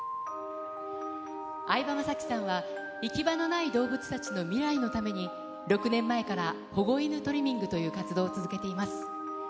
相葉雅紀さんは、行き場のない動物たちの未来のために、６年前から保護犬トリミングという活動を続けています。